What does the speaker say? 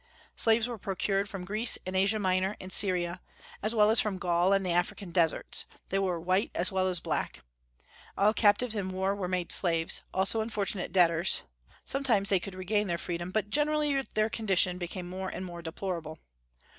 Slaves were procured from Greece and Asia Minor and Syria, as well as from Gaul and the African deserts; they were white as well as black. All captives in war were made slaves, also unfortunate debtors; sometimes they could regain their freedom, but generally their condition became more and more deplorable.